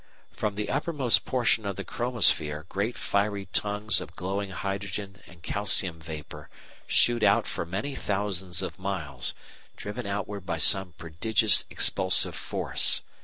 From the uppermost portion of the chromosphere great fiery tongues of glowing hydrogen and calcium vapour shoot out for many thousands of miles, driven outward by some prodigious expulsive force.